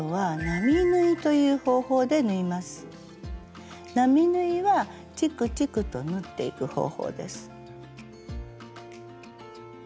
並縫いはチクチクと縫っていく方法です。